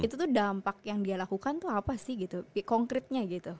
itu tuh dampak yang dia lakukan tuh apa sih gitu konkretnya gitu